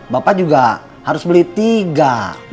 bapak juga harus beli tiga